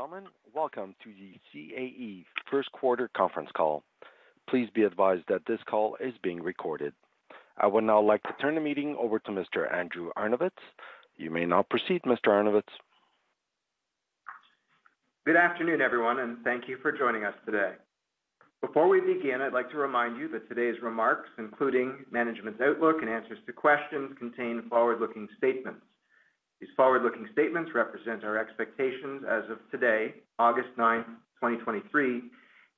Good day, ladies and gentlemen. Welcome to the CAE first quarter conference call. Please be advised that this call is being recorded. I would now like to turn the meeting over to Mr. Andrew Arnovitz. You may now proceed, Mr. Arnovitz. Good afternoon, everyone. Thank you for joining us today. Before we begin, I'd like to remind you that today's remarks, including management's outlook and answers to questions, contain forward-looking statements. These forward-looking statements represent our expectations as of today, August 9, 2023,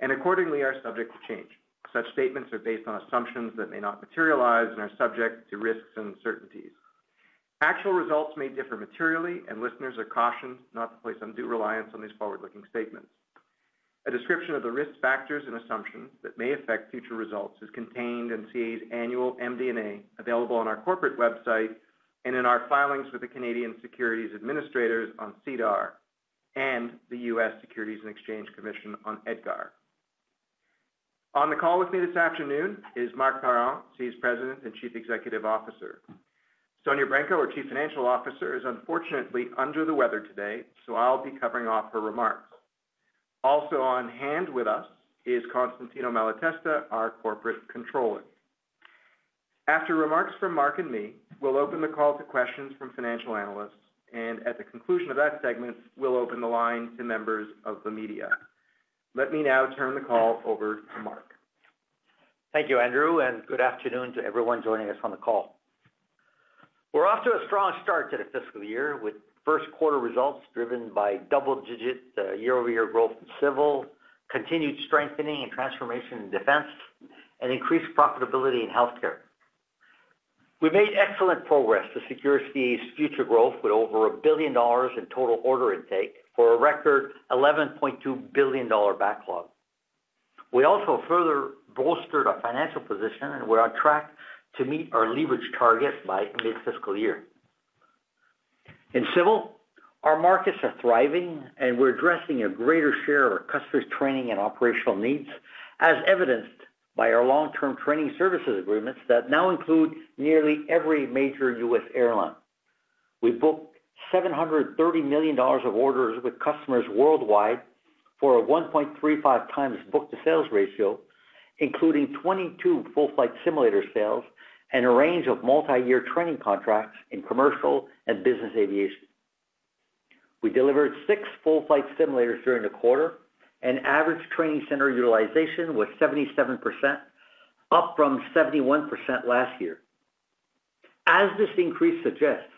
and accordingly are subject to change. Such statements are based on assumptions that may not materialize and are subject to risks and uncertainties. Actual results may differ materially, and listeners are cautioned not to place undue reliance on these forward-looking statements. A description of the risk factors and assumptions that may affect future results is contained in CAE's annual MD&A, available on our corporate website and in our filings with the Canadian Securities Administrators on SEDAR and the U.S. Securities and Exchange Commission on EDGAR. On the call with me this afternoon is Marc Parent, CAE's President and Chief Executive Officer. Sonya Branco, our Chief Financial Officer, is unfortunately under the weather today, so I'll be covering off her remarks. Also on hand with us is Constantino Malatesta, our Corporate Controller. After remarks from Mark and me, we'll open the call to questions from financial analysts, and at the conclusion of that segment, we'll open the line to members of the media. Let me now turn the call over to Marc. Thank you, Andrew. Good afternoon to everyone joining us on the call. We're off to a strong start to the fiscal year, with first quarter results driven by double-digit year-over-year growth in Civil, continued strengthening and transformation in Defense, and increased profitability in Healthcare. We made excellent progress to secure CAE's future growth with over $1 billion in total order intake for a record $11.2 billion backlog. We also further bolstered our financial position, and we're on track to meet our leverage target by mid-fiscal year. In Civil, our markets are thriving, and we're addressing a greater share of our customers' training and operational needs, as evidenced by our long-term training services agreements that now include nearly every major U.S. airline. We booked $730 million of orders with customers worldwide for a 1.35 times book-to-sales ratio, including 22 full-flight simulator sales and a range of multiyear training contracts in commercial and business aviation. We delivered 6 full-flight simulators during the quarter, and average training center utilization was 77%, up from 71% last year. As this increase suggests,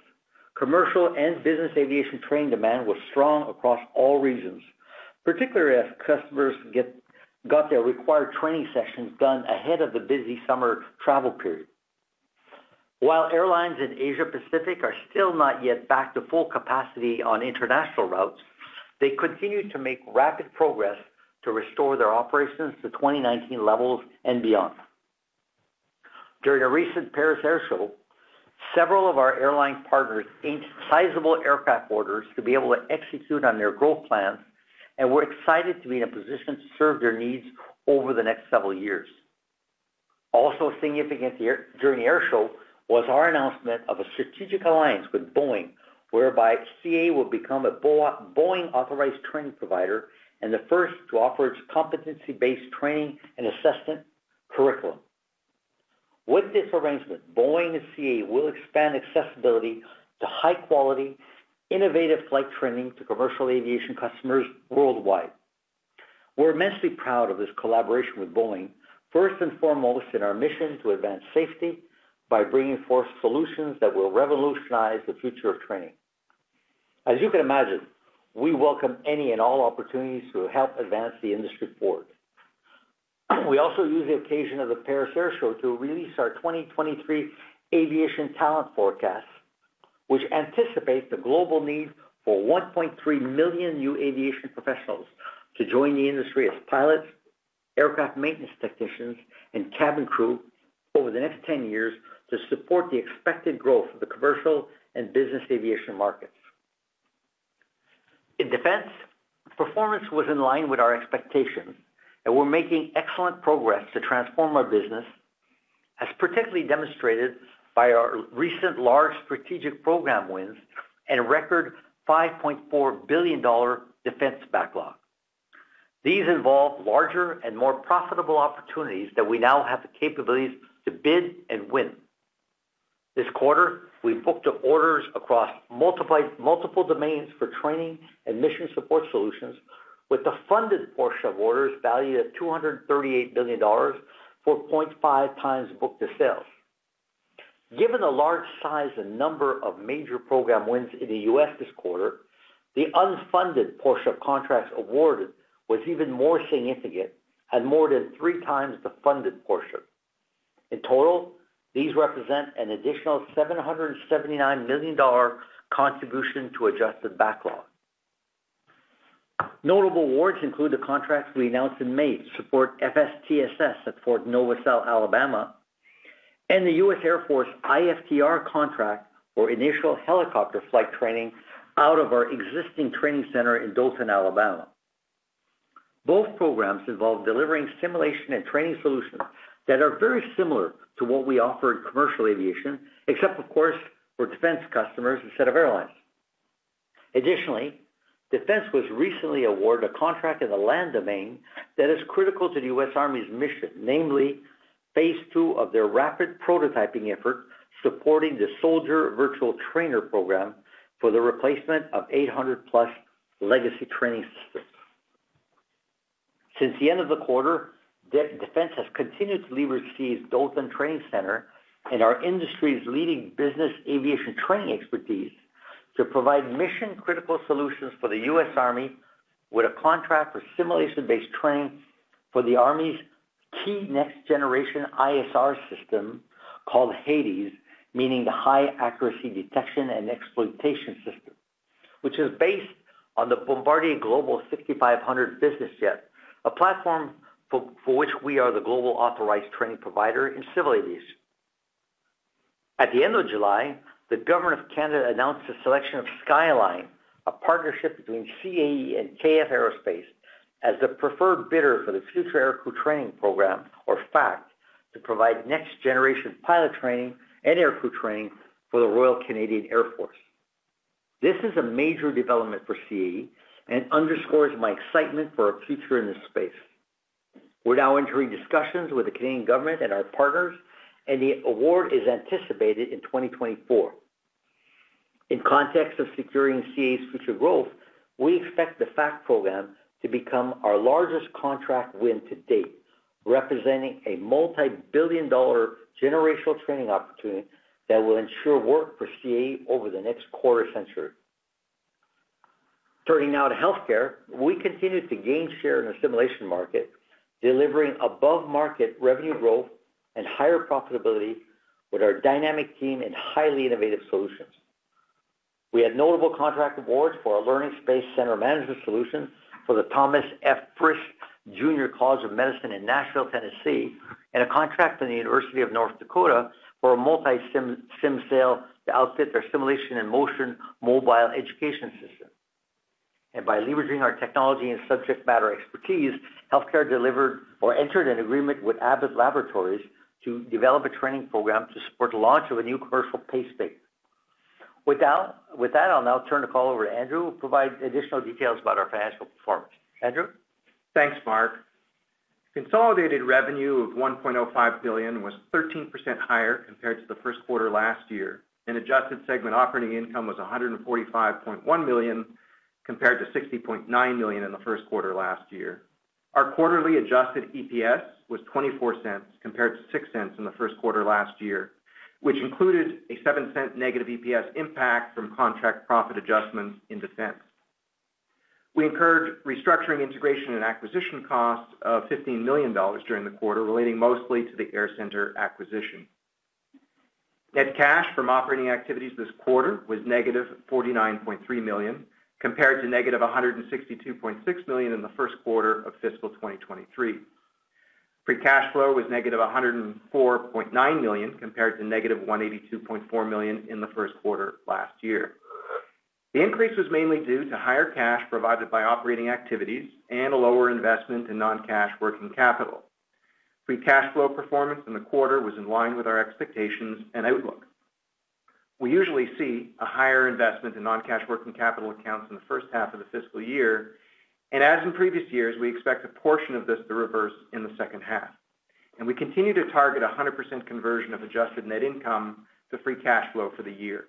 commercial and business aviation training demand was strong across all regions, particularly as customers got their required training sessions done ahead of the busy summer travel period. While airlines in Asia Pacific are still not yet back to full capacity on international routes, they continue to make rapid progress to restore their operations to 2019 levels and beyond. During a recent Paris Air Show, several of our airline partners inked sizable aircraft orders to be able to execute on their growth plans, and we're excited to be in a position to serve their needs over the next several years. Also significant here during the air show was our announcement of a strategic alliance with Boeing, whereby CAE will become a Boeing-authorized training provider and the first to offer its competency-based training and assessment curriculum. With this arrangement, Boeing and CAE will expand accessibility to high-quality, innovative flight training to commercial aviation customers worldwide. We're immensely proud of this collaboration with Boeing, first and foremost in our mission to advance safety by bringing forth solutions that will revolutionize the future of training. As you can imagine, we welcome any and all opportunities to help advance the industry forward. We also used the occasion of the Paris Air Show to release our 2023 aviation talent forecast, which anticipates the global need for 1.3 million new aviation professionals to join the industry as pilots, aircraft maintenance technicians, and cabin crew over the next 10 years to support the expected growth of the commercial and business aviation markets. In Defense, performance was in line with our expectations, and we're making excellent progress to transform our business, as particularly demonstrated by our recent large strategic program wins and a record $5.4 billion Defense backlog. These involve larger and more profitable opportunities that we now have the capabilities to bid and win. This quarter, we booked the orders across multiple, multiple domains for training and mission support solutions, with the funded portion of orders valued at $238 billion for 0.5x book-to-sales. Given the large size and number of major program wins in the U.S. this quarter, the unfunded portion of contracts awarded was even more significant at more than 3x the funded portion. In total, these represent an additional $779 million contribution to adjusted backlog. Notable awards include the contract we announced in May to support FWFTSS at Fort Novosel, Alabama, and the U.S. Air Force IFTR contract for initial helicopter flight training out of our existing training center in Dothan, Alabama. Both programs involve delivering simulation and training solutions that are very similar to what we offer in commercial aviation, except of course, for Defense customers instead of airlines. Defense was recently awarded a contract in the land domain that is critical to the U.S. Army's mission, namely phase two of their rapid prototyping effort, supporting the Soldier Virtual Trainer program for the replacement of 800+ legacy training systems. Since the end of the quarter, Defense has continued to leverage CAE's Dothan Training Center and our industry's leading business aviation training expertise to provide mission-critical solutions for the U.S. Army, with a contract for simulation-based training for the Army's key next-generation ISR system, called HADES, meaning the High Accuracy Detection and Exploitation System, which is based on the Bombardier Global 6500 business jet, a platform for which we are the global authorized training provider in civil aviation. At the end of July, the government of Canada announced the selection of Skyline, a partnership between CAE and KF Aerospace, as the preferred bidder for the Future Aircrew Training program, or FACT, to provide next-generation pilot training and aircrew training for the Royal Canadian Air Force. This is a major development for CAE and underscores my excitement for our future in this space. We're now entering discussions with the Canadian government and our partners, and the award is anticipated in 2024. In context of securing CAE's future growth, we expect the FACT program to become our largest contract win to date, representing a multibillion-dollar generational training opportunity that will ensure work for CAE over the next quarter century. Turning now to Healthcare. We continued to gain share in the simulation market, delivering above-market revenue growth and higher profitability with our dynamic team and highly innovative solutions. We had notable contract awards for our learning space center management solution for the Thomas F. Frist Jr. College of Medicine in Nashville, Tennessee, and a contract from the University of North Dakota for a multi-sim, sim sale to outfit their simulation and motion mobile education system. By leveraging our technology and subject matter expertise, Healthcare delivered or entered an agreement with Abbott Laboratories to develop a training program to support the launch of a new commercial pacemaker. With that, I'll now turn the call over to Andrew, who will provide additional details about our financial performance. Andrew? Thanks, Marc. Consolidated revenue of $1.05 billion was 13% higher compared to the first quarter last year, and adjusted segment operating income was $145.1 million, compared to $60.9 million in the first quarter last year. Our quarterly adjusted EPS was $0.24, compared to $0.06 in the first quarter last year, which included a $0.07 negative EPS impact from contract profit adjustments in Defense. We incurred restructuring, integration, and acquisition costs of $15 million during the quarter, relating mostly to the Air Center acquisition. Net cash from operating activities this quarter was negative $49.3 million, compared to negative $162.6 million in the first quarter of fiscal 2023. Free cash flow was negative $104.9 million, compared to negative $182.4 million in the first quarter last year. The increase was mainly due to higher cash provided by operating activities and a lower investment in non-cash working capital. Free cash flow performance in the quarter was in line with our expectations and outlook. We usually see a higher investment in non-cash working capital accounts in the first half of the fiscal year, as in previous years, we expect a portion of this to reverse in the second half. We continue to target 100% conversion of adjusted net income to free cash flow for the year.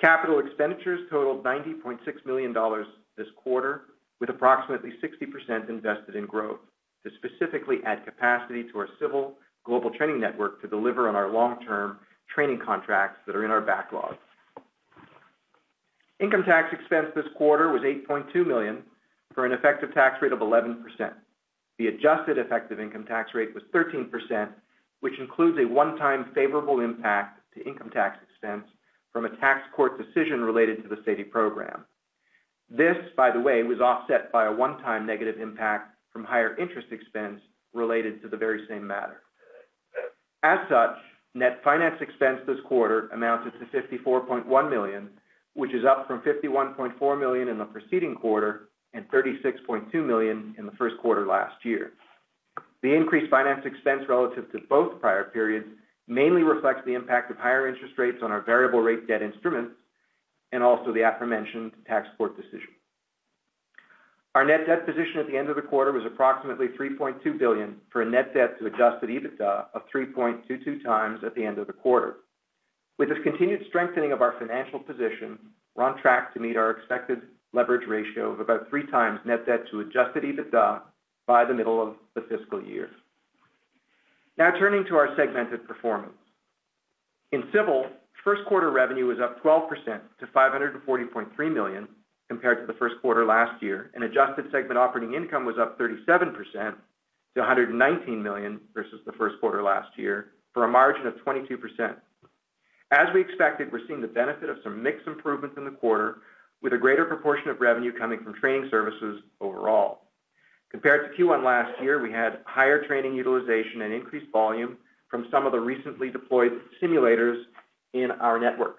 Capital expenditures totaled $90.6 million this quarter, with approximately 60% invested in growth, to specifically add capacity to our Civil global training network to deliver on our long-term training contracts that are in our backlogs. Income tax expense this quarter was $8.2 million, for an effective tax rate of 11%. The adjusted effective income tax rate was 13%, which includes a one-time favorable impact to income tax expense from a tax court decision related to the SADE program. This, by the way, was offset by a one-time negative impact from higher interest expense related to the very same matter. As such, net finance expense this quarter amounted to $54.1 million, which is up from $51.4 million in the preceding quarter and $36.2 million in the first quarter last year. The increased finance expense relative to both prior periods mainly reflects the impact of higher interest rates on our variable rate debt instruments and also the aforementioned tax court decision. Our net debt position at the end of the quarter was approximately $3.2 billion, for a net debt to adjusted EBITDA of 3.22 times at the end of the quarter. With this continued strengthening of our financial position, we're on track to meet our expected leverage ratio of about 3 times net debt to adjusted EBITDA by the middle of the fiscal year. Now turning to our segmented performance. In Civil, first quarter revenue was up 12% to $540.3 million compared to the first quarter last year. Adjusted segment operating income was up 37% to $119 million versus the first quarter last year, for a margin of 22%. As we expected, we're seeing the benefit of some mix improvements in the quarter, with a greater proportion of revenue coming from training services overall. Compared to Q1 last year, we had higher training utilization and increased volume from some of the recently deployed simulators in our network.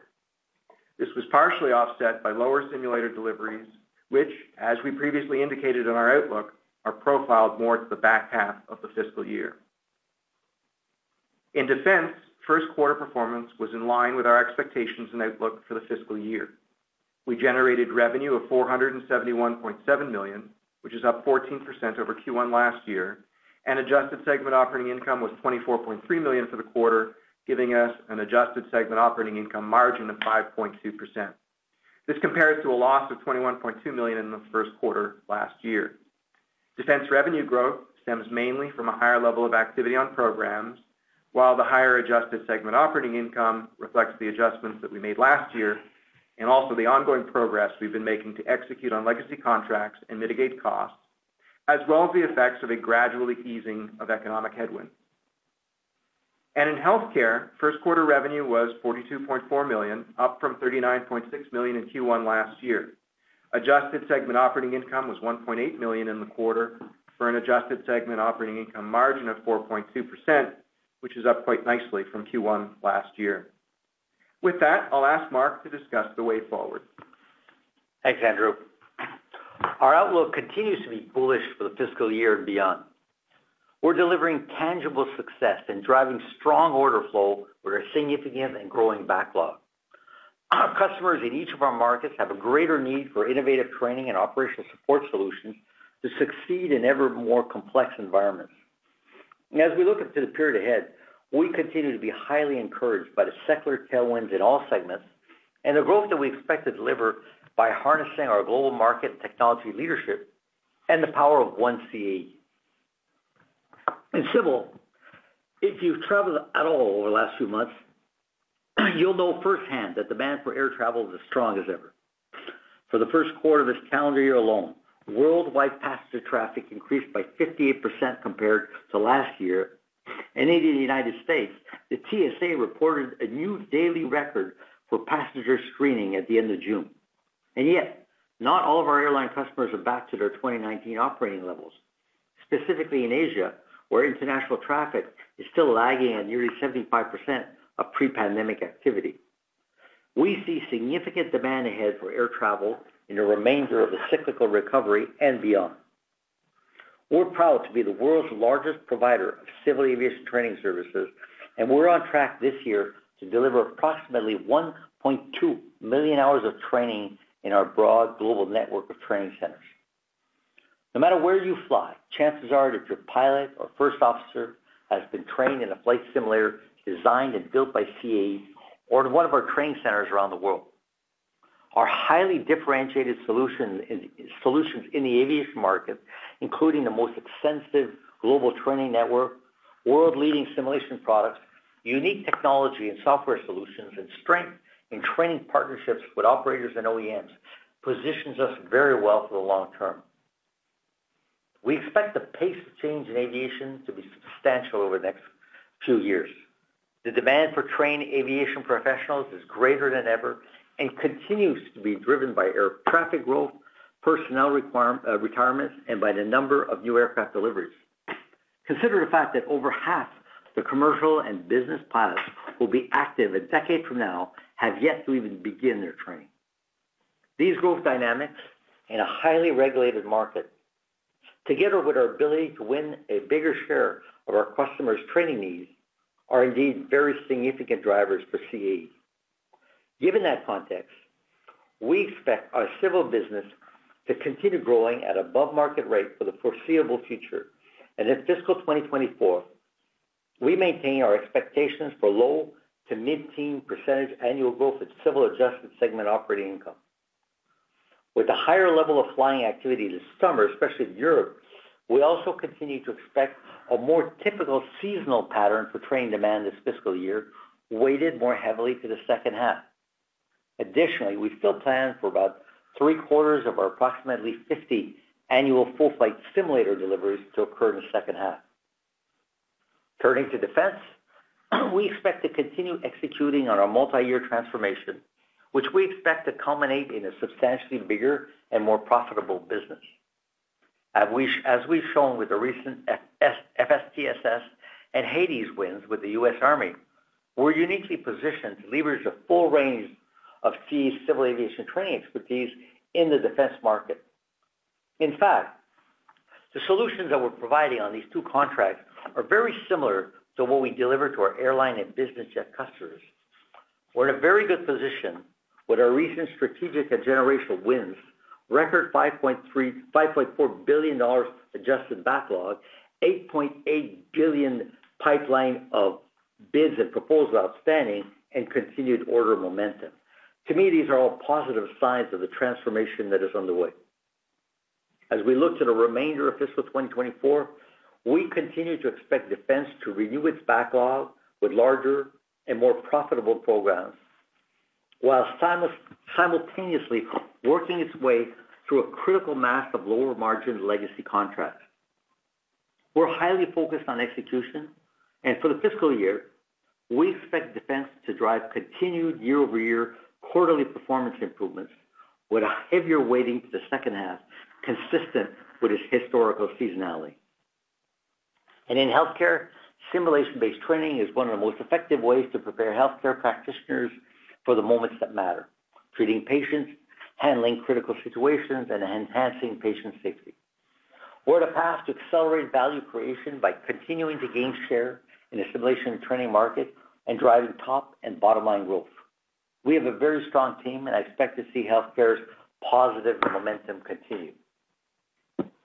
This was partially offset by lower simulator deliveries, which, as we previously indicated in our outlook, are profiled more to the back half of the fiscal year. In Defense, first quarter performance was in line with our expectations and outlook for the fiscal year. We generated revenue of $471.7 million, which is up 14% over Q1 last year. Adjusted segment operating income was $24.3 million for the quarter, giving us an adjusted segment operating income margin of 5.2%. This compares to a loss of $21.2 million in the first quarter last year. Defense revenue growth stems mainly from a higher level of activity on programs, while the higher adjusted segment operating income reflects the adjustments that we made last year, and also the ongoing progress we've been making to execute on legacy contracts and mitigate costs, as well as the effects of a gradually easing of economic headwinds. In Healthcare, first quarter revenue was $42.4 million, up from $39.6 million in Q1 last year. Adjusted segment operating income was 1.8 million in the quarter for an adjusted segment operating income margin of 4.2%, which is up quite nicely from Q1 last year. With that, I'll ask Mark to discuss the way forward. Thanks, Andrew. Our outlook continues to be bullish for the fiscal year and beyond. We're delivering tangible success in driving strong order flow with our significant and growing backlog. Our customers in each of our markets have a greater need for innovative training and operational support solutions to succeed in ever more complex environments. As we look into the period ahead, we continue to be highly encouraged by the secular tailwinds in all segments and the growth that we expect to deliver by harnessing our global market technology leadership and the power of one CAE. In Civil, if you've traveled at all over the last few months, you'll know firsthand that demand for air travel is as strong as ever. For the first quarter of this calendar year alone, worldwide passenger traffic increased by 58% compared to last year, and in the United States, the TSA reported a new daily record for passenger screening at the end of June. Yet, not all of our airline customers are back to their 2019 operating levels, specifically in Asia, where international traffic is still lagging on nearly 75% of pre-pandemic activity. We see significant demand ahead for air travel in the remainder of the cyclical recovery and beyond. We're proud to be the world's largest provider of Civil Aviation training services, and we're on track this year to deliver approximately 1.2 million hours of training in our broad global network of training centers. No matter where you fly, chances are that your pilot or first officer has been trained in a flight simulator designed and built by CAE or in one of our training centers around the world. Our highly differentiated solutions in the aviation market, including the most extensive global training network, world-leading simulation products, unique technology and software solutions, and strength in training partnerships with operators and OEMs, positions us very well for the long term. We expect the pace of change in aviation to be substantial over the next few years. The demand for trained aviation professionals is greater than ever and continues to be driven by air traffic growth, personnel require retirements, and by the number of new aircraft deliveries. Consider the fact that over half the commercial and business pilots who will be active a decade from now, have yet to even begin their training. These growth dynamics in a highly regulated market, together with our ability to win a bigger share of our customers' training needs, are indeed very significant drivers for CAE. Given that context, we expect our Civil business to continue growing at above market rate for the foreseeable future. In fiscal 2024, we maintain our expectations for low to mid-teen % annual growth in Civil adjusted segment operating income. With a higher level of flying activity this summer, especially in Europe, we also continue to expect a more typical seasonal pattern for training demand this fiscal year, weighted more heavily to the second half. Additionally, we still plan for about three-quarters of our approximately 50 annual full-flight simulator deliveries to occur in the second half. Turning to Defense, we expect to continue executing on our multi-year transformation, which we expect to culminate in a substantially bigger and more profitable business. As we've shown with the recent F-FSTSS and Hades wins with the U.S. Army, we're uniquely positioned to leverage the full range of CAE's Civil aviation training expertise in the Defense market. In fact, the solutions that we're providing on these two contracts are very similar to what we deliver to our airline and business jet customers. We're in a very good position with our recent strategic and generational wins, record $5.4 billion adjusted backlog, $8.8 billion pipeline of bids and proposals outstanding, and continued order momentum. To me, these are all positive signs of the transformation that is underway. As we look to the remainder of fiscal 2024, we continue to expect Defense to renew its backlog with larger and more profitable programs, whilst simultaneously working its way through a critical mass of lower-margin legacy contracts. We're highly focused on execution. For the fiscal year, we expect Defense to drive continued year-over-year quarterly performance improvements with a heavier weighting to the second half, consistent with its historical seasonality. In Healthcare, simulation-based training is one of the most effective ways to prepare Healthcare practitioners for the moments that matter, treating patients, handling critical situations, and enhancing patient safety. We're on a path to accelerate value creation by continuing to gain share in the simulation and training market and driving top and bottom-line growth. We have a very strong team. I expect to see Healthcare's positive momentum continue.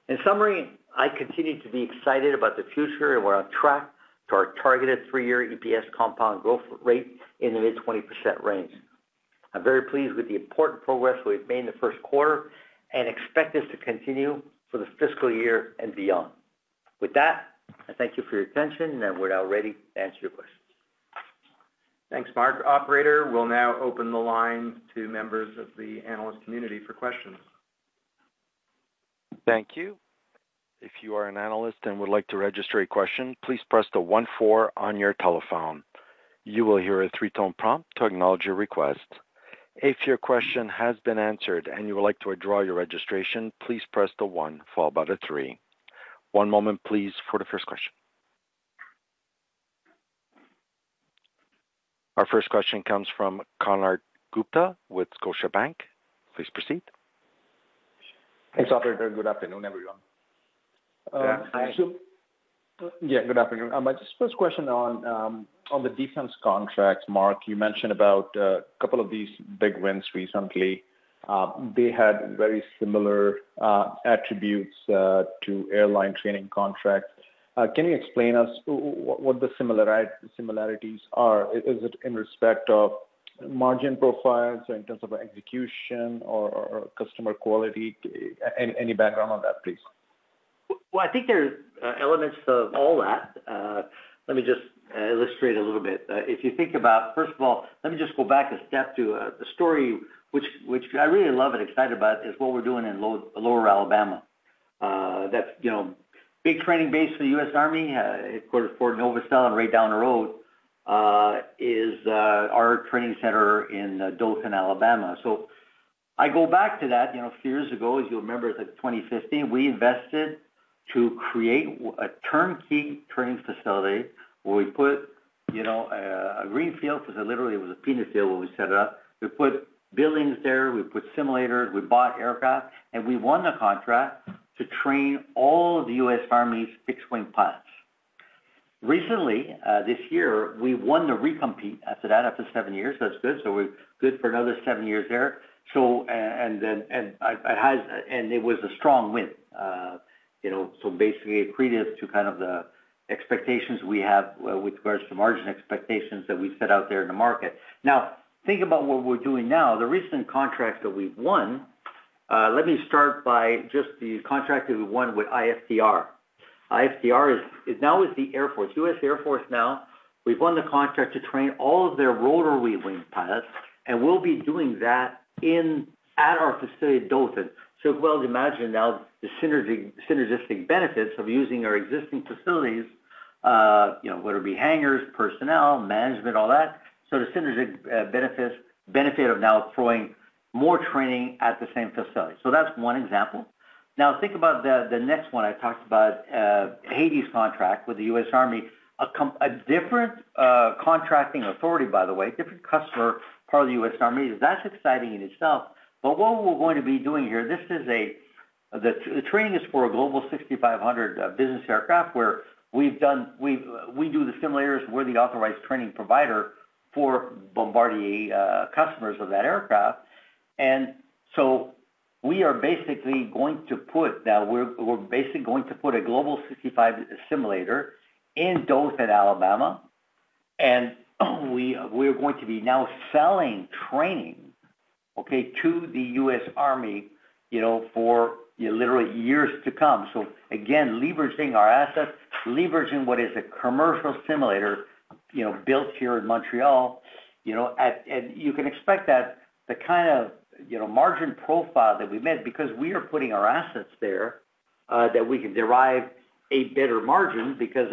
In summary, I continue to be excited about the future, and we're on track to our targeted 3-year EPS compound growth rate in the mid-20% range. I'm very pleased with the important progress we've made in the first quarter and expect this to continue for the fiscal year and beyond. With that, I thank you for your attention, and we're now ready to answer your questions. Thanks, Mark. Operator, we'll now open the line to members of the analyst community for questions. Thank you. If you are an analyst and would like to register a question, please press the one-four on your telephone. You will hear a three-tone prompt to acknowledge your request. If your question has been answered and you would like to withdraw your registration, please press the one followed by the three. One moment, please, for the first question. Our first question comes from Konark Gupta with Scotiabank. Please proceed. Thanks, operator. Good afternoon, everyone. Yeah, hi. Yeah, good afternoon. just first question on the Defense contract, Marc, you mentioned about a couple of these big wins recently. They had very similar attributes to airline training contracts. Can you explain us what the similarities are? Is it in respect of margin profiles, in terms of execution, or customer quality? Any background on that, please? Well, I think there are elements of all that. Let me just illustrate a little bit. If you think about, first of all, let me just go back a step to the story, which, which I really love and excited about, is what we're doing in Lower Alabama. That's, you know, big training base for the U.S. Army, of course, Fort Novastell, and right down the road is our training center in Dothan, Alabama. I go back to that, you know, a few years ago, as you'll remember, that in 2015, we invested to create a turnkey training facility, where we put, you know, a green field, because literally it was a peanut field when we set it up. We put buildings there, we put simulators, we bought aircraft, and we won the contract to train all of the U.S. Army's fixed-wing pilots. Recently, this year, we won the recompete after that, after seven years. That's good. We're good for another seven years there. And then, it was a strong win, you know, so basically, it credence to kind of the expectations we have with regards to margin expectations that we set out there in the market. Think about what we're doing now. The recent contract that we've won, let me start by just the contract that we won with IFTR. IFTR is now with the Air Force, U.S. Air Force now. We've won the contract to train all of their rotor wheel wing pilots, and we'll be doing that at our facility at Dothan. You can well imagine now the synergy, synergistic benefits of using our existing facilities, you know, whether it be hangars, personnel, management, all that. The synergy, benefits, benefit of now throwing more training at the same facility. That's one example. Now, think about the next one. I talked about Hades contract with the U.S. Army, a different contracting authority, by the way, different customer, part of the U.S. Army. That's exciting in itself. What we're going to be doing here, this is the training is for a Global 6500 business aircraft, where we've, we do the simulators, we're the authorized training provider for Bombardier customers of that aircraft. We are basically going to put... Now, we're, we're basically going to put a Global 6500 simulator in Dothan, Alabama, and we, we're going to be now selling training, okay, to the U.S. Army, you know, for literally years to come. Again, leveraging our assets, leveraging what is a commercial simulator, you know, built here in Montreal, you can expect that the kind of, you know, margin profile that we made, because we are putting our assets there, that we can derive a better margin because,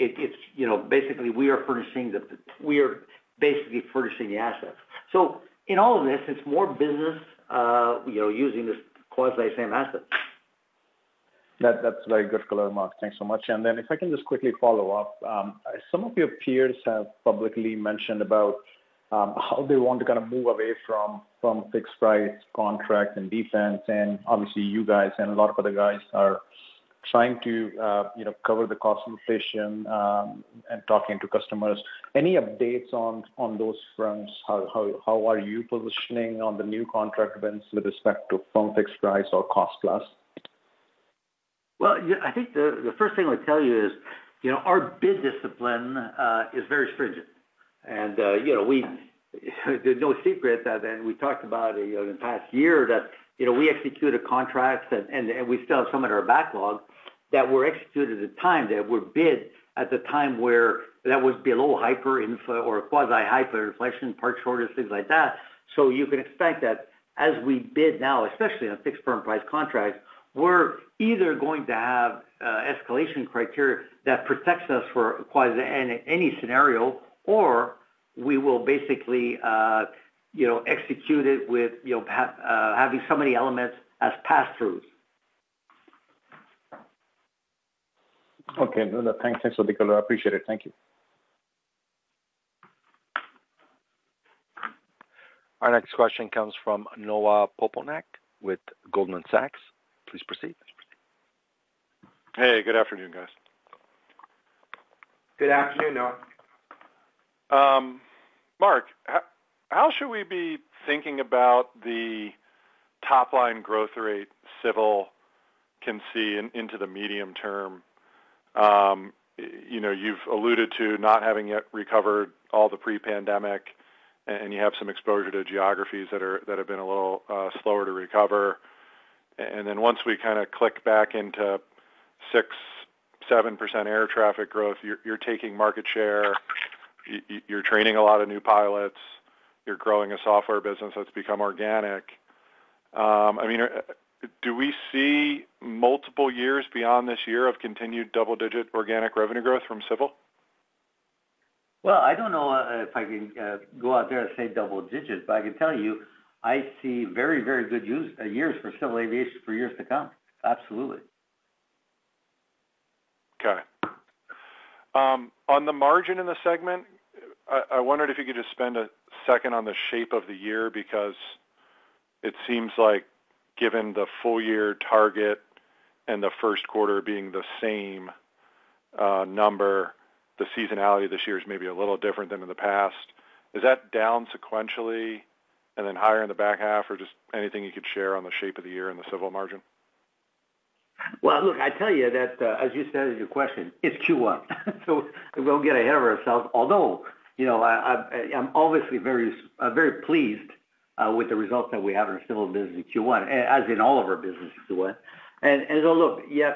it, it's, you know, basically, we are basically furnishing the assets. In all of this, it's more business, you know, using this quasi-same asset. That, that's very good, Mark. Thanks so much. If I can just quickly follow up. Some of your peers have publicly mentioned about how they want to kind of move away from fixed price contracts and defense, and obviously, you guys and a lot of other guys are trying to, you know, cover the cost inflation, and talking to customers. Any updates on, on those fronts? How, how, how are you positioning on the new contract wins with respect to from fixed price or cost plus? Yeah, I think the first thing I would tell you is, you know, our bid discipline is very stringent. You know, there's no secret that, and we talked about, you know, in the past year, that, you know, we executed contracts, and we still have some in our backlog, that were executed at a time, that were bid at the time where that would be a little hyperinflation or quasi-hyperinflation, part shortages, things like that. You can expect that as we bid now, especially on a fixed firm price contract, we're either going to have escalation criteria that protects us for quasi-any scenario, or we will basically, you know, execute it with, you know, having so many elements as passthroughs. Okay. No, thanks. Thanks so much, Nicola. I appreciate it. Thank you. Our next question comes from Noah Poponak with Goldman Sachs. Please proceed. Hey, good afternoon, guys. Good afternoon, Noah. Marc, how, how should we be thinking about the top line growth rate Civil can see in, into the medium term? You know, you've alluded to not having yet recovered all the pre-pandemic, and, and you have some exposure to geographies that are- that have been a little slower to recover. Then once we kinda click back into 6%-7% air traffic growth, you're taking market share, you're training a lot of new pilots, you're growing a software business that's become organic. I mean, do we see multiple years beyond this year of continued double-digit organic revenue growth from Civil? Well, I don't know, if I can, go out there and say double digits, but I can tell you, I see very, very good years for civil aviation for years to come. Absolutely. Okay. On the margin in the segment, I, I wondered if you could just spend a second on the shape of the year, because it seems like given the full year target and the first quarter being the same number, the seasonality this year is maybe a little different than in the past. Is that down sequentially and then higher in the back half, or just anything you could share on the shape of the year in the Civil margin? Well, look, I tell you that, as you said in your question, it's Q1, so we won't get ahead of ourselves. Although, you know, I, I, I'm obviously very, very pleased, with the results that we have in our Civil business in Q1, as in all of our businesses, one. So look, yeah,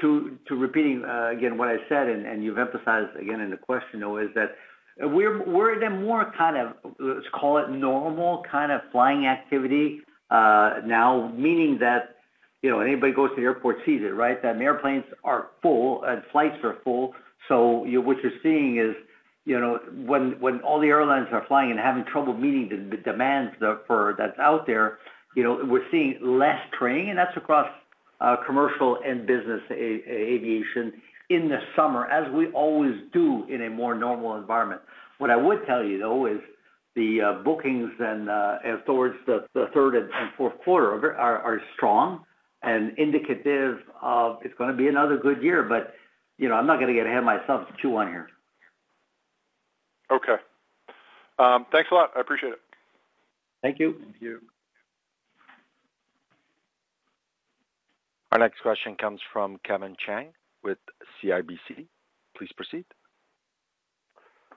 to, to repeating, again, what I said, and, and you've emphasized again in the question, though, is that we're, we're in a more kind of, let's call it, normal kind of flying activity, now, meaning that, you know, anybody who goes to the airport sees it, right? That airplanes are full and flights are full. What you're seeing is, you know, when, when all the airlines are flying and having trouble meeting the demands for that's out there, you know, we're seeing less training, and that's across commercial and business aviation in the summer, as we always do in a more normal environment. What I would tell you, though, is the bookings and towards the third and fourth quarter are strong and indicative of it's gonna be another good year, but, you know, I'm not gonna get ahead of myself with Q1 here. Okay. Thanks a lot. I appreciate it. Thank you. Thank you. Our next question comes from Kevin Chang with CIBC. Please proceed.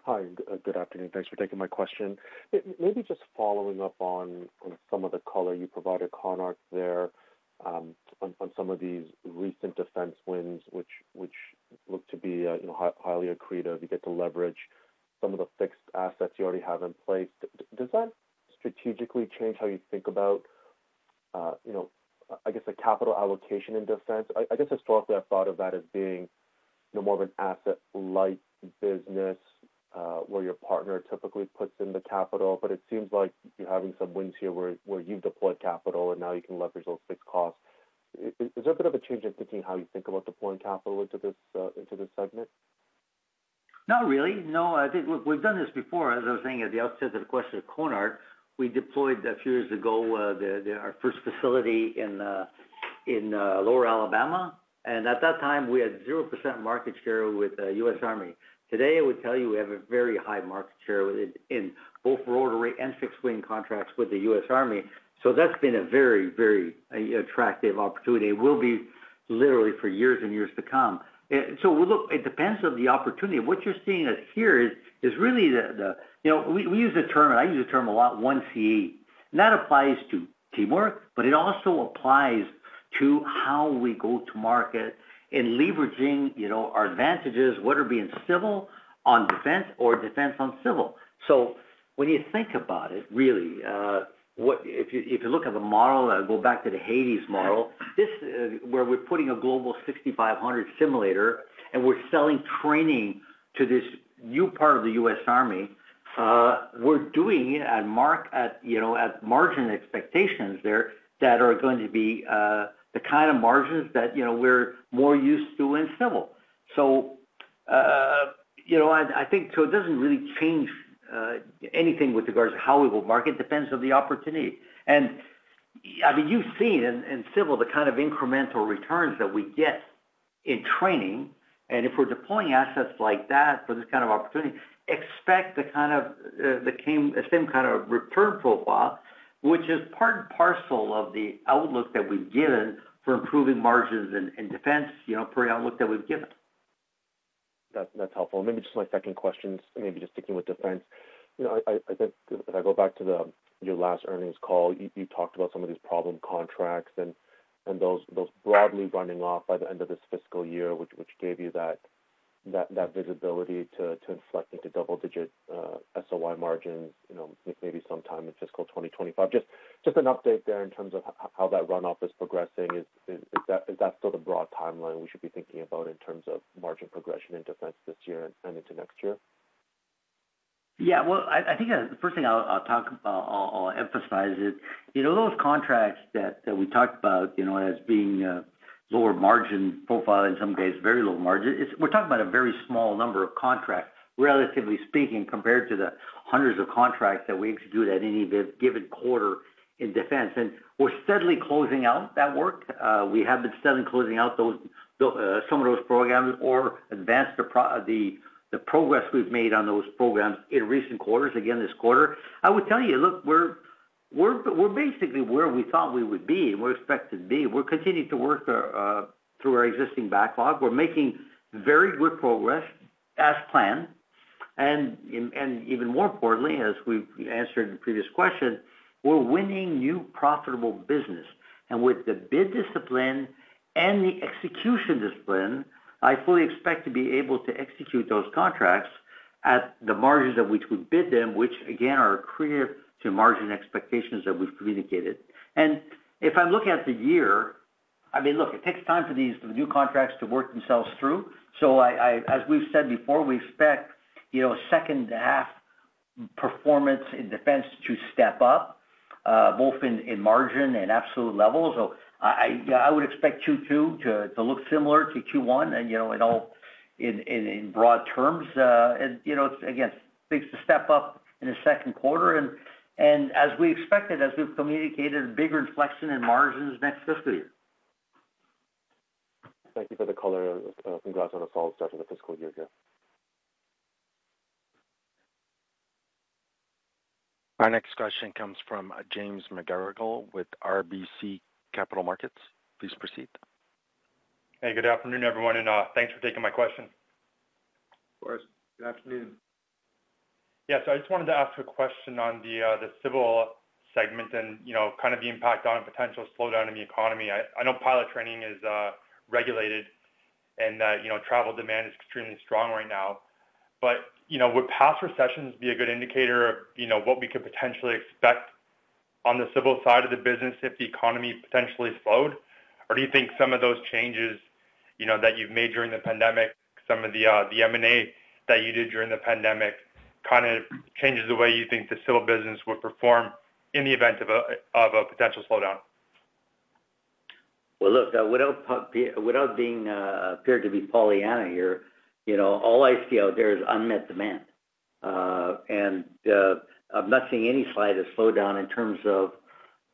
Hi, good afternoon. Thanks for taking my question. Maybe just following up on, on some of the color you provided, Conark there, on, on some of these recent Defense wins, which, which look to be, you know, highly accretive. You get to leverage some of the fixed assets you already have in place. Does that strategically change how you think about, you know, I guess, the capital allocation in Defense? I guess historically, I've thought of that as being more of an asset-light business, where your partner typically puts in the capital, but it seems like you're having some wins here where, where you've deployed capital, and now you can leverage those fixed costs. Is there a bit of a change in thinking how you think about deploying capital into this, into this segment? Not really. No, I think, look, we've done this before. As I was saying at the outset of the question of Konark's, we deployed a few years ago, our first facility in Lower Alabama, and at that time, we had 0% market share with the U.S. Army. Today, I would tell you we have a very high market share with it in both rotary and fixed wing contracts with the U.S. Army. That's been a very, very attractive opportunity and will be literally for years and years to come. Look, it depends on the opportunity. What you're seeing here is, is really. You know, we, we use the term, and I use the term a lot, one CAE, and that applies to teamwork, but it also applies to how we go to market in leveraging, you know, our advantages, whether it be in Civil, on Defense or Defense on Civil. When you think about it, really, if you, if you look at the model, I go back to the Hades model, this, where we're putting a global 6,500 simulator and we're selling training to this new part of the U.S. Army, we're doing it at mark, at, you know, at margin expectations there that are going to be, the kind of margins that, you know, we're more used to in Civil. You know, I, I think so it doesn't really change anything with regards to how we will market. It depends on the opportunity. I mean, you've seen in, in Civil, the kind of incremental returns that we get in training, and if we're deploying assets like that for this kind of opportunity, expect the kind of, the same, the same kind of return profile, which is part and parcel of the outlook that we've given for improving margins in, in Defense, you know, per the outlook that we've given. That's helpful. Maybe just my second question, maybe just sticking with Defense. You know, I think if I go back to your last earnings call, you talked about some of these problem contracts and those broadly running off by the end of this fiscal year, which gave you that visibility to inflect into double-digit SOY margins, you know, maybe sometime in fiscal 2025. Just an update there in terms of how that run off is progressing. Is that still the broad timeline we should be thinking about in terms of margin progression in Defense this year and into next year? Yeah, well, I, I think the first thing I'll, I'll talk about, I'll, I'll emphasize is, you know, those contracts that, that we talked about, you know, as being lower margin profile, in some cases, very low margin, is we're talking about a very small number of contracts, relatively speaking, compared to the hundreds of contracts that we execute at any given quarter in Defense. We're steadily closing out that work. We have been steadily closing out those some of those programs or advanced the progress we've made on those programs in recent quarters, again, this quarter. I would tell you, look, we're, we're, we're basically where we thought we would be, and we expected to be. We're continuing to work through our existing backlog. We're making very good progress as planned. And even more importantly, as we've answered the previous question, we're winning new profitable business. With the bid discipline and the execution discipline, I fully expect to be able to execute those contracts at the margins at which we bid them, which again, are accretive to margin expectations that we've communicated. If I'm looking at the year, I mean, look, it takes time for these new contracts to work themselves through. I, as we've said before, we expect, you know, second half performance in Defense to step up, both in, in margin and absolute levels. I, I, I would expect Q2 to, to look similar to Q1, and, you know, in all, in, in, in broad terms, and, you know, again, things to step up in the second quarter. As we expected, as we've communicated, a bigger inflection in margins next fiscal year. Thank you for the color. Congrats on a solid start for the fiscal year. Our next question comes from James McGerrigle with RBC Capital Markets. Please proceed. Hey, good afternoon, everyone, and thanks for taking my question. Of course. Good afternoon. Yeah, I just wanted to ask a question on the Civil segment and, you know, kind of the impact on potential slowdown in the economy. I, I know pilot training is regulated and that, you know, travel demand is extremely strong right now. You know, would past recessions be a good indicator of, you know, what we could potentially expect on the Civil side of the business if the economy potentially slowed? Do you think some of those changes, you know, that you've made during the pandemic, some of the M&A that you did during the pandemic, kind of changes the way you think the Civil business would perform in the event of a, of a potential slowdown? Well, look, without without being, appeared to be Pollyanna here, you know, all I see out there is unmet demand. I'm not seeing any slight of slowdown in terms of,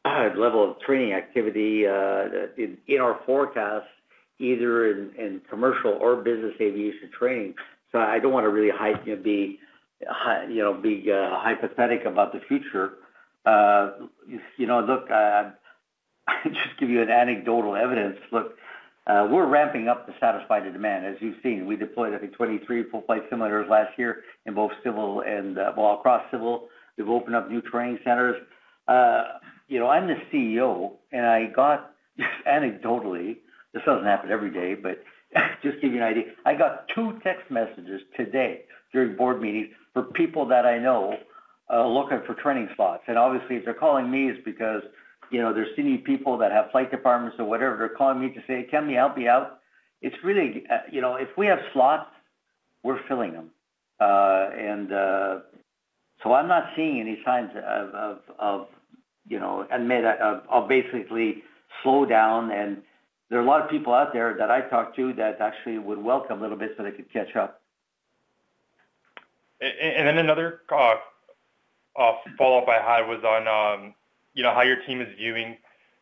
level of training activity, in, in our forecast, either in, in commercial or business aviation training. I don't want to really hype, you know, be you know, be, hypothetic about the future. You know, look, just give you an anecdotal evidence. Look, we're ramping up to satisfy the demand. As you've seen, we deployed, I think, 23 full-flight simulators last year in both Civil and, well, across Civil. We've opened up new training centers. You know, I'm the CEO, and I got, anecdotally, this doesn't happen every day, but just give you an idea. I got 2 text messages today during board meetings from people that I know, looking for training slots. Obviously, if they're calling me, it's because, you know, they're senior people that have flight departments or whatever. They're calling me to say, "Can you help me out?" It's really, you know, if we have slots, we're filling them. I'm not seeing any signs of, you know, basically slow down. There are a lot of people out there that I've talked to that actually would welcome a little bit so they could catch up. Then another, follow-up I had was on, you know, how your team is viewing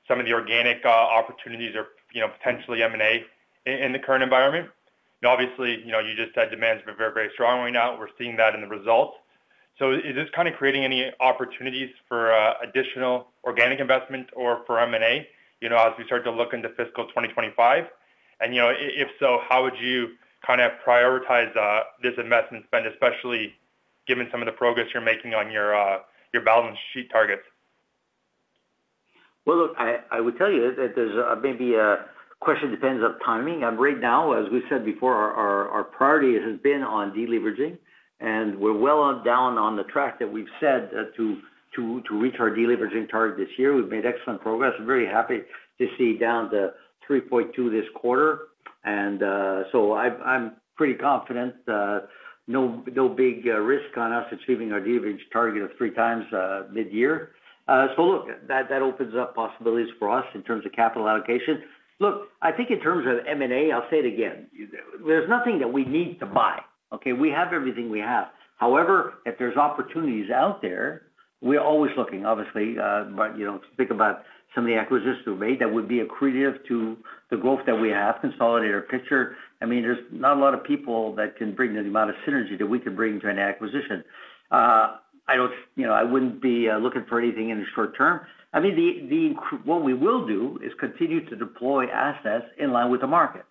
some of the organic opportunities or, you know, potentially M&A in the current environment. Obviously, you know, you just said demand has been very, very strong right now, we're seeing that in the results. Is this kind of creating any opportunities for additional organic investment or for M&A, you know, as we start to look into fiscal 2025? You know, if so, how would you kind of prioritize this investment spend, especially given some of the progress you're making on your balance sheet targets? Well, look, I, I would tell you that there's maybe a question depends on timing. Right now, as we said before, our, our, our priority has been on deleveraging, and we're well on down on the track that we've said to reach our deleveraging target this year. We've made excellent progress. I'm very happy to see down to 3.2 this quarter, and I'm pretty confident, no, no big risk on us achieving our leverage target of 3 times mid-year. Look, that, that opens up possibilities for us in terms of capital allocation. Look, I think in terms of M&A, I'll say it again, there's nothing that we need to buy, okay? We have everything we have. However, if there's opportunities out there, we're always looking, obviously, but, you know, think about some of the acquisitions we made that would be accretive to the growth that we have, consolidate our picture. I mean, there's not a lot of people that can bring the amount of synergy that we can bring to an acquisition. I don't, you know, I wouldn't be looking for anything in the short term. I mean, what we will do is continue to deploy assets in line with the market.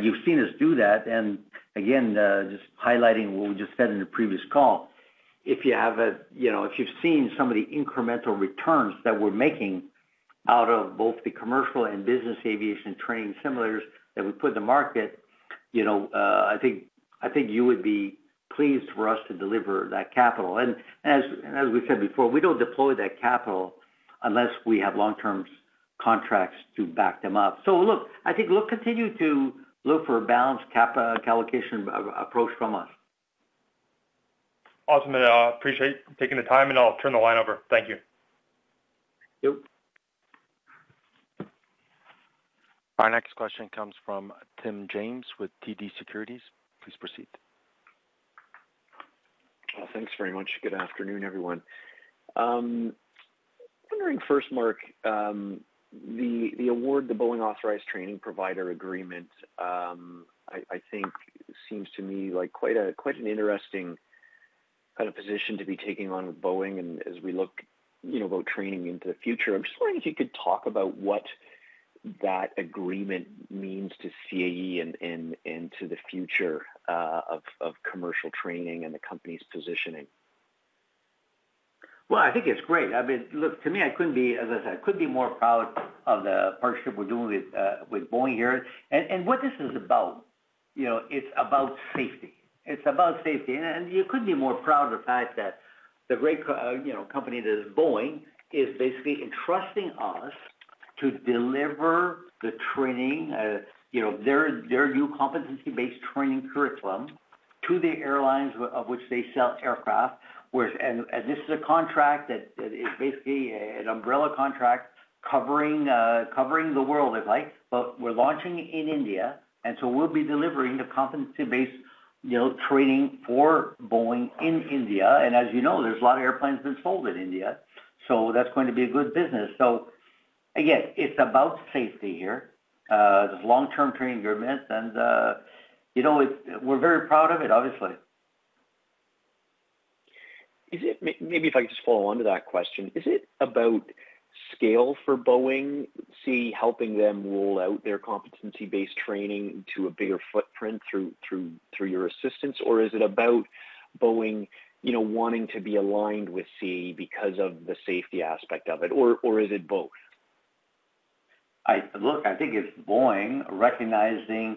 You've seen us do that, and again, just highlighting what we just said in the previous call. If you have a, you know, if you've seen some of the incremental returns that we're making out of both the commercial and business aviation training simulators that we put in the market, you know, I think, I think you would be pleased for us to deliver that capital. As, as we said before, we don't deploy that capital unless we have long-term contracts to back them up. Look, I think we'll continue to look for a balanced cap, allocation of approach from us. Awesome. I appreciate you taking the time, and I'll turn the line over. Thank you. Thank you. Our next question comes from Tim James with TD Securities. Please proceed. Well, thanks very much. Good afternoon, everyone. Wondering first, Marc, the, the award, the Boeing Authorized Training Provider agreement, I, I think, seems to me like quite a, quite an interesting kind of position to be taking on with Boeing. As we look, you know, about training into the future, I'm just wondering if you could talk about what that agreement means to CAE and, and, and to the future, of, of commercial training and the company's positioning. Well, I think it's great. I mean, look, to me, I couldn't be, as I said, I couldn't be more proud of the partnership we're doing with Boeing here. What this is about, you know, it's about safety. It's about safety. You couldn't be more proud of the fact that the great co- you know, company that is Boeing, is basically entrusting us to deliver the training, you know, their, their new competency-based training curriculum to the airlines of which they sell aircraft. This is a contract that, that is basically an umbrella contract covering, covering the world, if like. We're launching in India, we'll be delivering the competency-based, you know, training for Boeing in India. As you know, there's a lot of airplanes being sold in India, so that's going to be a good business. Again, it's about safety here, this long-term training agreement, and, you know, we're very proud of it, obviously. Is it maybe if I could just follow on to that question. Is it about scale for Boeing, helping them roll out their competency-based training to a bigger footprint through your assistance, or is it about Boeing, you know, wanting to be aligned with CAE because of the safety aspect of it, or is it both? Look, I think it's Boeing recognizing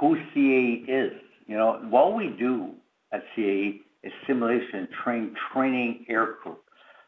who CAE is. You know, what we do at CAE is simulation training aircraft.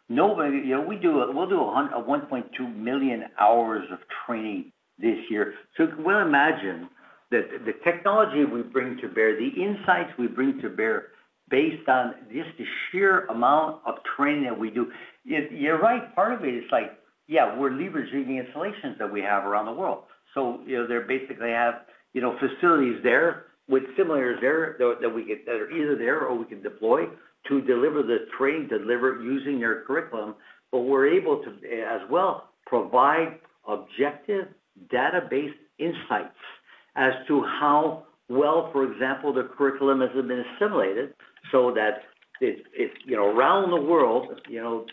Nobody, you know, we'll do 1.2 million hours of training this year. You can well imagine that the technology we bring to bear, the insights we bring to bear based on just the sheer amount of training that we do. You, you're right. Part of it is like, yeah, we're leveraging the installations that we have around the world. You know, they basically have, you know, facilities there with simulators there, that we get, that are either there or we can deploy to deliver the training delivered using our curriculum. We're able to, as well, provide objective, data-based insights as to how well, for example, the curriculum has been assimilated so that it's, it's, you know, around the world, you know,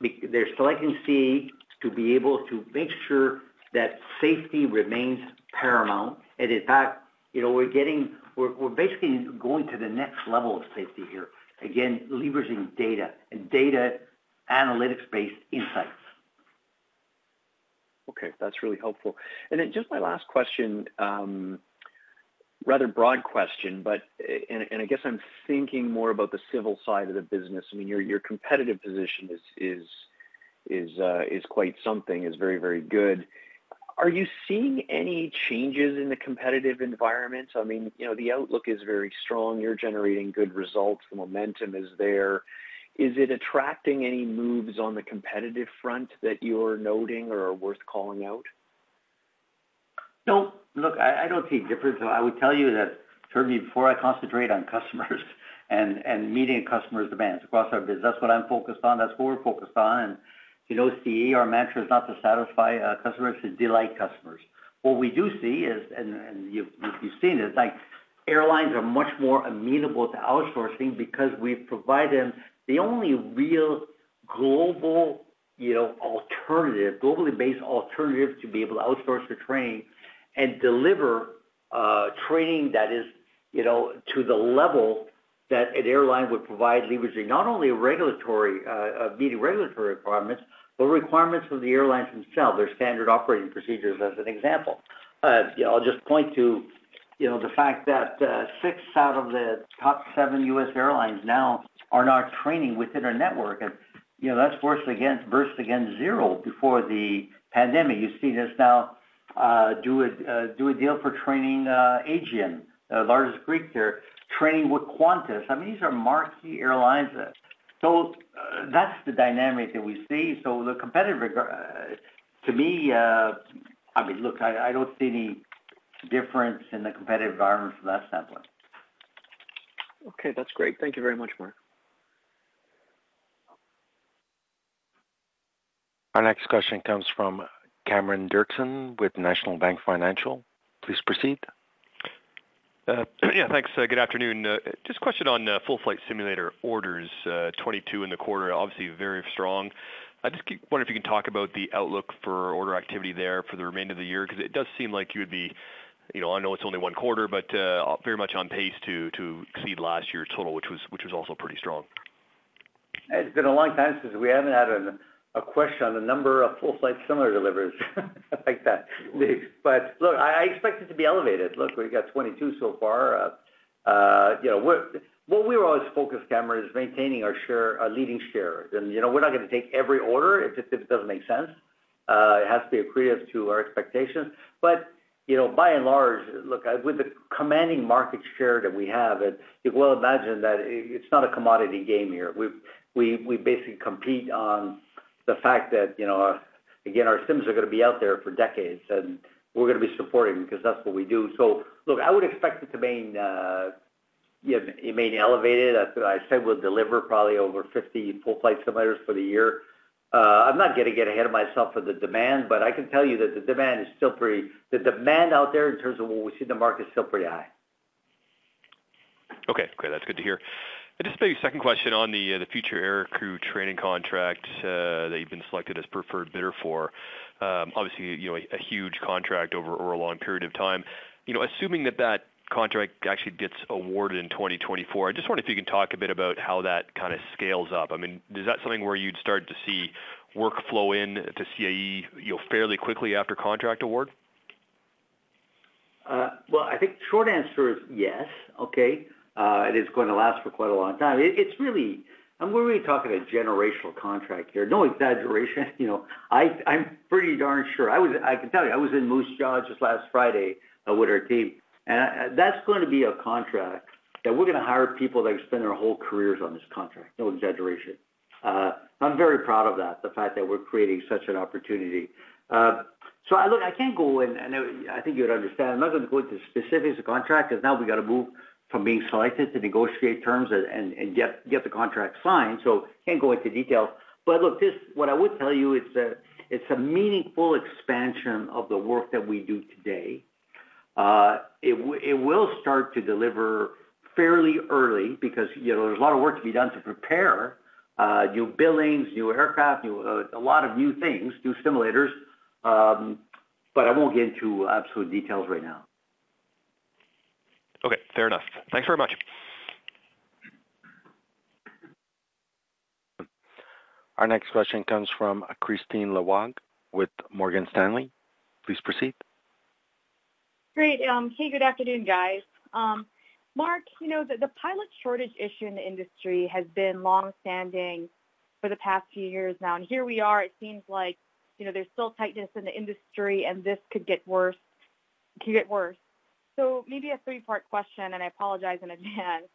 they're selecting CAE to be able to make sure that safety remains paramount. In fact, you know, we're getting, we're basically going to the next level of safety here. Again, leveraging data and data analytics-based insights. Okay, that's really helpful. Just my last question, rather broad question, but, and, and I guess I'm thinking more about the Civil side of the business. I mean, your, your competitive position is, is, is, is quite something, is very, very good. Are you seeing any changes in the competitive environment? I mean, you know, the outlook is very strong. You're generating good results, the momentum is there. Is it attracting any moves on the competitive front that you're noting or are worth calling out? No, look, I, I don't see a difference. I would tell you that, certainly before I concentrate on customers and, and meeting customers' demands across our business, that's what I'm focused on, that's what we're focused on. You know, CAE, our mantra is not to satisfy customers, to delight customers. What we do see is, you've seen it, it's like airlines are much more amenable to outsourcing because we provide them the only real global, you know, alternative, globally based alternative to be able to outsource the training and deliver training that is, you know, to the level that an airline would provide, leveraging not only regulatory meeting regulatory requirements, but requirements of the airlines themselves, their standard operating procedures, as an example. I'll just point to, you know, the fact that, six out of the top seven U.S. airlines now are now training within our network. that's versus 0 before the pandemic You see this now, do a, deal for training, Aegean, the largest Greek there, training with Qantas. I mean, these are marquee airlines. That's the dynamic that we see. The competitive regard, to me, I mean, look, I, I don't see any difference in the competitive environment from that standpoint. Okay, that's great. Thank you very much, Mark. Our next question comes from Cameron Dirkson with National Bank Financial. Please proceed. Yeah, thanks. Good afternoon. Just a question on full-flight simulator orders, 22 in the quarter, obviously very strong. I just wonder if you can talk about the outlook for order activity there for the remainder of the year, because it does seem like you would be, you know, I know it's only one quarter, but very much on pace to exceed last year's total, which was also pretty strong. It's been a long time since we haven't had a question on the number of full-flight simulator deliveries like that. But look, I, I expect it to be elevated. Look, we've got 22 so far, you know, what, what we were always focused, Cameron, is maintaining our share, our leading share. And, you know, we're not gonna take every order if it, if it doesn't make sense. It has to be accretive to our expectations. But, you know, by and large, look, with the commanding market share that we have, and you well imagine that it's not a commodity game here. We've, we, we basically compete on the fact that, you know, again, our sims are gonna be out there for decades, and we're gonna be supporting them because that's what we do. So look, I would expect it to remain, yeah, remain elevated. I, I said we'll deliver probably over 50 full-flight simulators for the year. I'm not gonna get ahead of myself for the demand, but I can tell you that the demand is still pretty... The demand out there in terms of what we see in the market is still pretty high. Okay, great. That's good to hear. I just have a second question on the, the future air crew training contract, that you've been selected as preferred bidder for. Obviously, you know, a huge contract over, over a long period of time. You know, assuming that that contract actually gets awarded in 2024, I just wonder if you can talk a bit about how that kind of scales up. I mean, is that something where you'd start to see workflow in to CAE, you know, fairly quickly after contract award? Well, I think the short answer is yes. Okay? It's going to last for quite a long time. I'm really talking a generational contract here. No exaggeration. You know, I, I'm pretty darn sure. I can tell you, I was in Moose Jaw just last Friday, with our team, and that's going to be a contract that we're gonna hire people that spend their whole careers on this contract. No exaggeration. I'm very proud of that, the fact that we're creating such an opportunity. I look, I can't go in, and I think you would understand. I'm not gonna go into specifics of contract, because now we've got to move from being selected to negotiate terms and, and, and get, get the contract signed, so can't go into details. Look, this-- what I would tell you is that it's a meaningful expansion of the work that we do today. It will start to deliver fairly early because, you know, there's a lot of work to be done to prepare, new billings, new aircraft, new, a lot of new things, new simulators, but I won't get into absolute details right now. Okay, fair enough. Thanks very much. Our next question comes from Kristine Liwag with Morgan Stanley. Please proceed. Great. Hey, good afternoon, guys. Mark, you know, the pilot shortage issue in the industry has been long-standing for the past few years now, and here we are. It seems like, you know, there's still tightness in the industry, and this could get worse, could get worse. Maybe a three-part question, and I apologize in advance.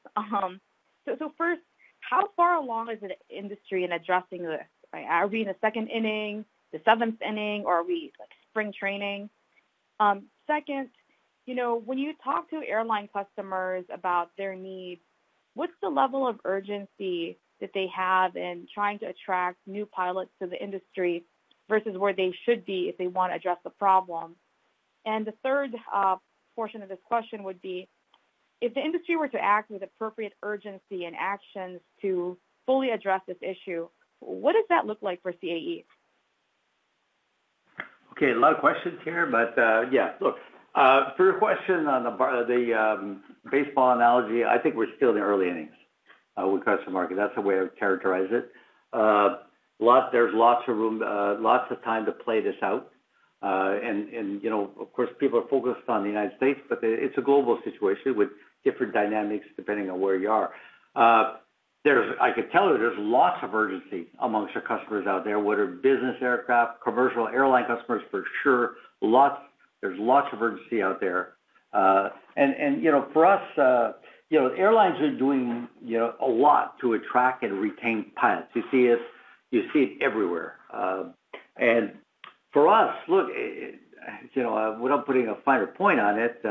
First, how far along is the industry in addressing this? Are we in the second inning, the seventh inning, or are we, like, spring training? Second, you know, when you talk to airline customers about their needs, what's the level of urgency that they have in trying to attract new pilots to the industry versus where they should be if they want to address the problem? The third portion of this question would be: If the industry were to act with appropriate urgency and actions to fully address this issue, what does that look like for CAE? Okay, a lot of questions here, but, yeah. Look, for your question on the baseball analogy, I think we're still in the early innings with customer market. That's the way I would characterize it. There's lots of room, lots of time to play this out. You know, of course, people are focused on the United States, but it's a global situation with different dynamics depending on where you are. I could tell you, there's lots of urgency amongst our customers out there, whether business aircraft, commercial airline customers, for sure. Lots, there's lots of urgency out there. You know, for us, you know, airlines are doing, you know, a lot to attract and retain pilots. You see it, you see it everywhere. For us, look, you know, without putting a finer point on it,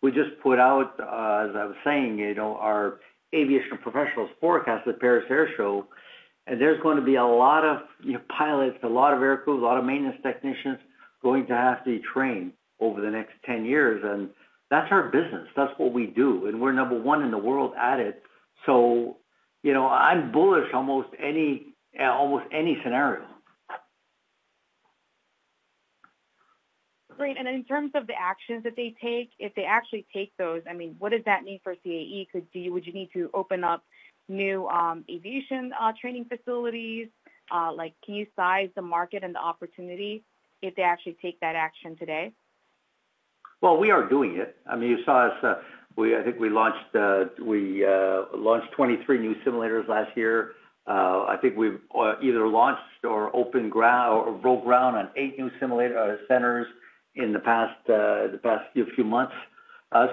we just put out, as I was saying, you know, our aviation professionals forecast at Paris Air Show, and there's going to be a lot of, you know, pilots, a lot of air crews, a lot of maintenance technicians going to have to be trained over the next 10 years, and that's our business. That's what we do, and we're number 1 in the world at it. You know, I'm bullish, almost any, almost any scenario. Great. Then in terms of the actions that they take, if they actually take those, I mean, what does that mean for CAE? Could you-- would you need to open up new aviation training facilities? Can you size the market and the opportunity if they actually take that action today? We are doing it. I mean, you saw us, I think we launched, we launched 23 new simulators last year. I think we've either launched or broke ground on eight new simulator centers in the past few months.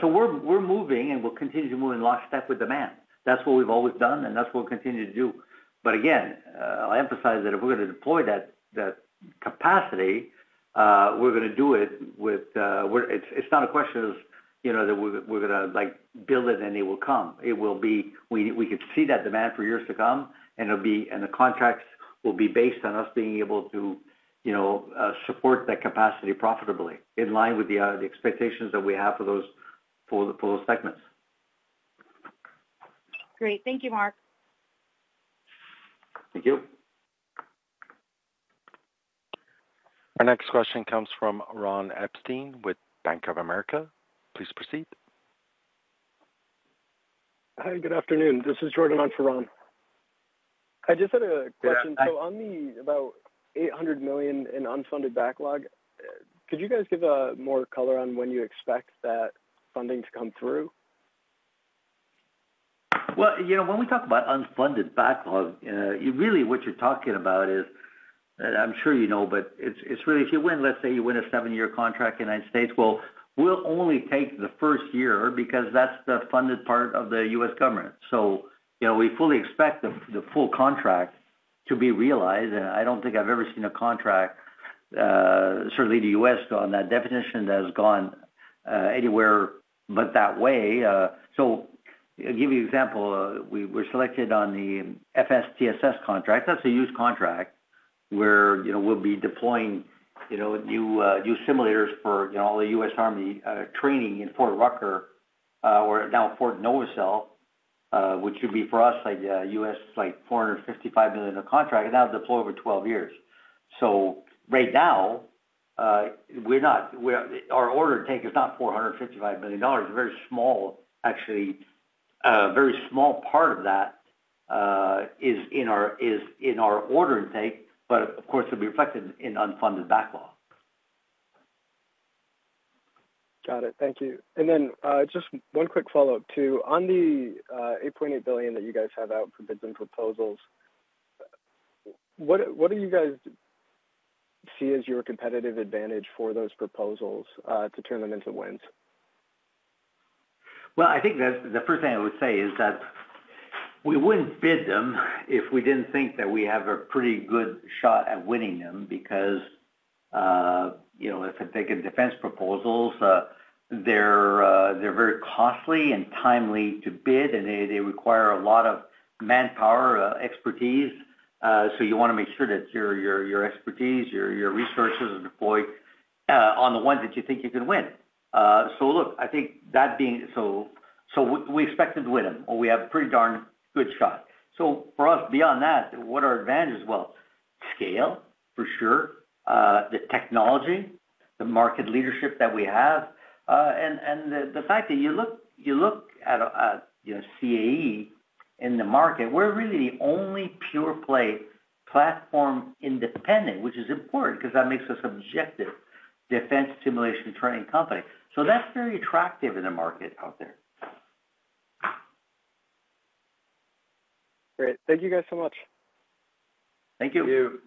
We're moving, and we'll continue to move in lockstep with demand. That's what we've always done, and that's what we'll continue to do. Again, I emphasize that if we're going to deploy that capacity, we're gonna do it with, it's not a question of, you know, that we're, we're gonna, like, build it, and it will come. It will be, we could see that demand for years to come, and the contracts will be based on us being able to, you know, support that capacity profitably, in line with the expectations that we have for those segments. Great. Thank you, Mark. Thank you. Our next question comes from Ron Epstein with Bank of America. Please proceed. Hi, good afternoon. This is Jordan on for Ron. I just had a question. On the about $800 million in unfunded backlog, could you guys give more color on when you expect that funding to come through? Well, you know, when we talk about unfunded backlog, you really, what you're talking about is, and I'm sure you know, but it's, it's really if you win, let's say you win a seven-year contract in the United States, well, we'll only take the first year because that's the funded part of the U.S. government. You know, we fully expect the, the full contract to be realized, and I don't think I've ever seen a contract, certainly the U.S., on that definition, that has gone anywhere but that way. I'll give you an example. We were selected on the FSTSS contract. That's a huge contract where, you know, we'll be deploying, you know, new, new simulators for, you know, all the U.S. Army training in Fort Rucker, or now Fort Noah Cell, which would be for us, like, a U.S., like, $455 million contract, and that'll deploy over 12 years. Right now, our order take is not $455 million. A very small, actually, a very small part of that is in our, is in our order intake, but of course, it'll be reflected in unfunded backlog. Got it. Thank you. Then, just one quick follow-up too. On the $8.8 billion that you guys have out for bid and proposals, what, what do you guys see as your competitive advantage for those proposals, to turn them into wins? I think that the first thing I would say is that we wouldn't bid them if we didn't think that we have a pretty good shot at winning them because, you know, if I take a Defense proposals, they're very costly and timely to bid, and they, they require a lot of manpower, expertise. You wanna make sure that your, your, your expertise, your, your resources are deployed on the ones that you think you can win. Look, I think that being. We expected to win them, or we have a pretty darn good shot. For us, beyond that, what are our advantages? Well, scale, for sure, the technology, the market leadership that we have, and, and the, the fact that you look, you look at, you know, CAE in the market, we're really the only pure-play platform independent, which is important because that makes us objective defense simulation training company. That's very attractive in the market out there. Great. Thank you guys so much. Thank you. Thank you.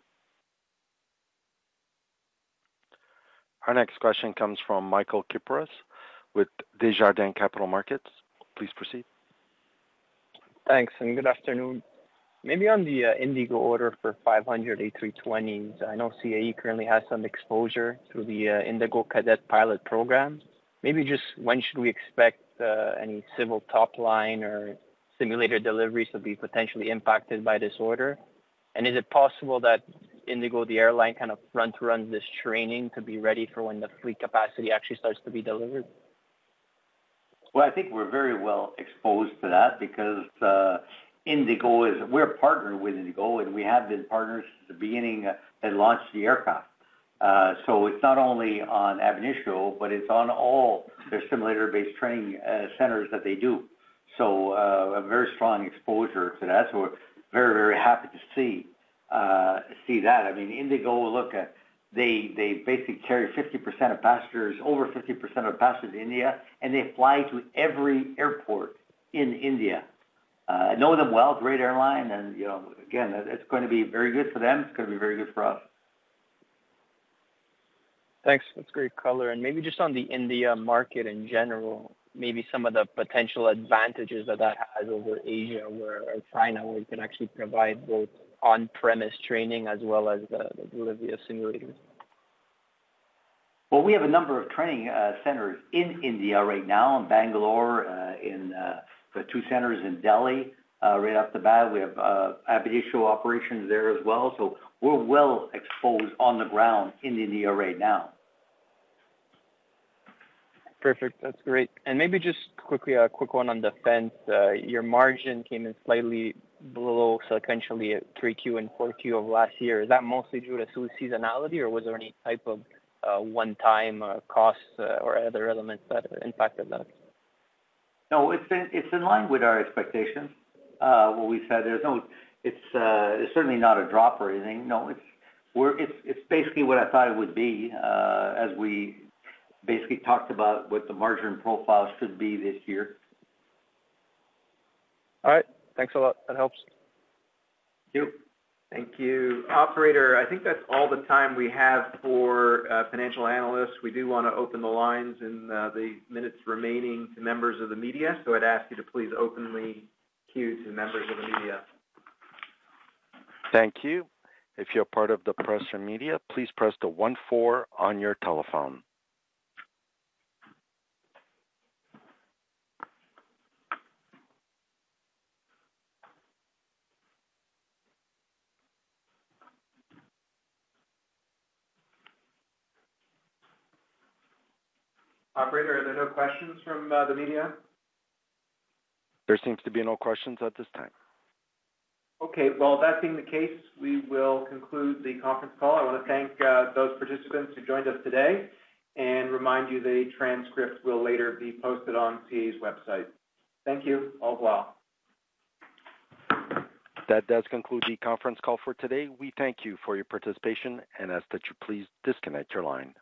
Our next question comes from Michael Kypreos with Desjardins Capital Markets. Please proceed. Thanks, and good afternoon. Maybe on the Indigo order for 500 A320s, I know CAE currently has some exposure through the Indigo Cadet Pilot program. Maybe just when should we expect any Civil top line or simulator deliveries to be potentially impacted by this order? Is it possible that Indigo, the airline, kind of run through, run this training to be ready for when the fleet capacity actually starts to be delivered? Well, I think we're very well exposed to that because, Indigo is-- we're partnered with Indigo, and we have been partners since the beginning, they launched the aircraft. It's not only on Ab Initio, but it's on all their simulator-based training, centers that they do. A very strong exposure to that. We're very, very happy to see, see that. I mean, Indigo, look at, they, they basically carry 50% of passengers, over 50% of passengers in India, and they fly to every airport in India. I know them well, great airline, and, you know, again, it's going to be very good for them. It's going to be very good for us. Thanks. That's great color. Maybe just on the India market in general, maybe some of the potential advantages that that has over Asia or China, where you can actually provide both on-premise training as well as the delivery of simulators. Well, we have a number of training centers in India right now, in Bangalore, in the 2 centers in Delhi. Right off the bat, we have Ab Initio operations there as well, so we're well exposed on the ground in India right now. Perfect. That's great. Maybe just quickly, a quick one on Defense. Your margin came in slightly below sequentially at 3Q and 4Q of last year. Is that mostly due to seasonality, or was there any type of, one-time costs or other elements that impacted that? No, it's in, it's in line with our expectations. What we said, there's no, it's certainly not a drop or anything. No, it's, we're, it's, it's basically what I thought it would be, as we basically talked about what the margin profile should be this year. All right. Thanks a lot. That helps. Thank you. Thank you. Operator, I think that's all the time we have for financial analysts. We do want to open the lines in the minutes remaining to members of the media, so I'd ask you to please openly queue to members of the media. Thank you. If you're part of the press or media, please press the 1 4 on your telephone. Operator, are there no questions from the media? There seems to be no questions at this time. Okay, well, that being the case, we will conclude the conference call. I want to thank those participants who joined us today and remind you the transcript will later be posted on CAE's website. Thank you. Au revoir. That does conclude the conference call for today. We thank you for your participation and ask that you please disconnect your line.